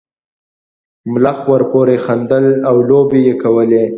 ملخ ورپورې خندل او لوبې یې کولې.